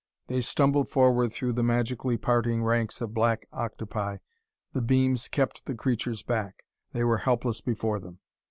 They stumbled forward through the magically parting ranks of black octopi. The beams kept the creatures back; they were helpless before them.